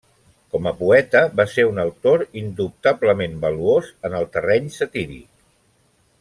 Com a poeta va ser un autor indubtablement valuós en el terreny satíric.